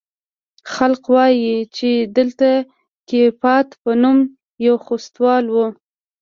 خلق وايي چې دلته د کيپات په نوم يو خوستوال و.